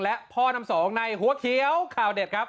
และพ่อน้ำสองในหัวเขียวข่าวเด็ดครับ